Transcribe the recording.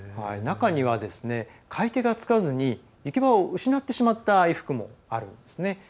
中には、買い手がつかずに行き場を失ってしまった衣服もあるんですね。